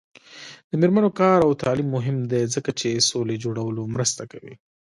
د میرمنو کار او تعلیم مهم دی ځکه چې سولې جوړولو مرسته کوي.